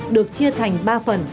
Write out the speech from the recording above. được chia thành ba phần